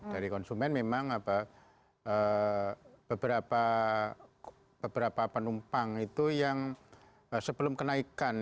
dari konsumen memang beberapa penumpang itu yang sebelum kenaikan